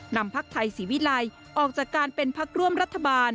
นำภักดิ์ไทยสวีไลยออกจากการเป็นภักดิ์ร่วมรัฐบาล